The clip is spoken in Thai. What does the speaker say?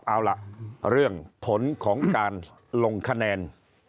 เอาล่ะเรื่องผลของการลงคะแนน